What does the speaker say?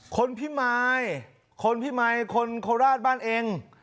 คนพิมายคนพิมายคนโคราชบ้านเอง